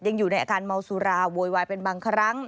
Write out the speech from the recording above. ยังอยู่ในอาการเมาสุราโวยวายเป็นบางครั้ง